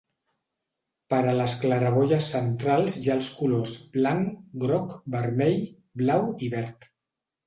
Per a les claraboies centrals hi ha els colors: blanc, groc, vermell, blau i verd.